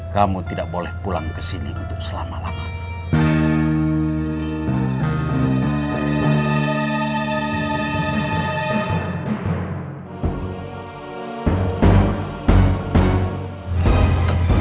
kamu tidak boleh pulang kesini untuk selama lamanya